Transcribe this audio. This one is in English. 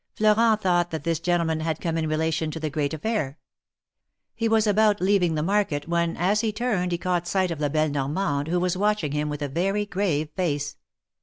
Florent thought that this gentleman had come in rela tion to the great aifair. He was about leaving the market when, as he turned, he caught sight of La belle Normande, who was watching him with a very grave face.